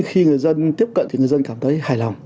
khi người dân tiếp cận thì người dân cảm thấy hài lòng